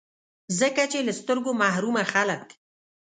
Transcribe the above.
ځکه چي له سترګو محرومه خلګ